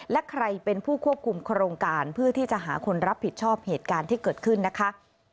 และใครเป็นผู้ควบคุมโครงการเพื่อที่จะหาคนรับผิดชอบเหตุการณ์ที่เกิดขึ้นนะคะ